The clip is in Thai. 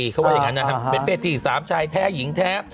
เขาว่าอย่างนั้นนะฮะเป็นเป็นที่สามชายแท้หญิงแท้